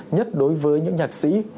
nhất đối với những nhạc sĩ